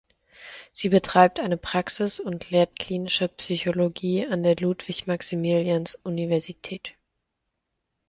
Sie betreibt eine Praxis und lehrt Klinische Psychologie an der Ludwig-Maximilians-Universität.